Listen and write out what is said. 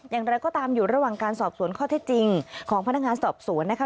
อย่างไรก็ตามอยู่ระหว่างการสอบสวนข้อเท็จจริงของพนักงานสอบสวนนะคะ